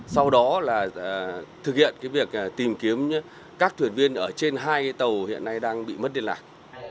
sau đó là thực hiện việc tìm kiếm các thuyền viên ở trên hai tàu hiện nay đang bị mất liên lạc